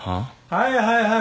はいはいはい。